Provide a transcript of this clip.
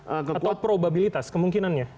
atau probabilitas kemungkinannya